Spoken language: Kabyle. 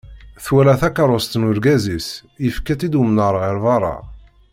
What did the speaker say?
Twala takerrust n urgaz-is yefka-tt-id umnar ɣer berra.